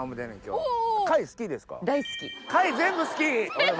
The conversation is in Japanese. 全部好き！